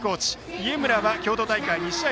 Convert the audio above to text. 家村は京都大会２試合